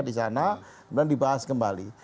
di sana kemudian dibahas kembali